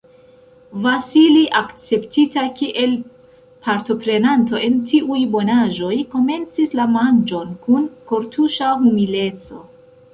Vasili, akceptita kiel partoprenanto en tiuj bonaĵoj, komencis la manĝon kun kortuŝa humileco.